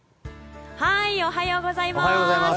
おはようございます。